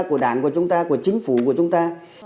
của đảng của chúng ta của chính phủ của chúng ta